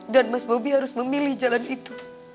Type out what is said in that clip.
dan mas bobby harus memilih jalan itu